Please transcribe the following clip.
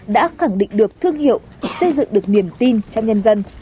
đã khẳng định được thương hiệu xây dựng được niềm tin trong nhân dân